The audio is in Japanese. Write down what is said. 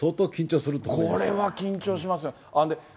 これは緊張しますね。